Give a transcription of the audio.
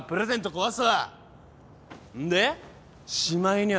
壊すわんでしまいにゃ